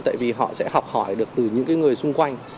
tại vì họ sẽ học hỏi được từ những người xung quanh